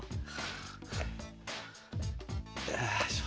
あよいしょ。